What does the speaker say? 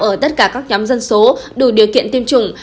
ở tất cả các nhóm dân số đủ điều kiện tiêm chủng